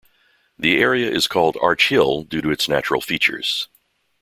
The area is called Arch Hill due to its "natural features".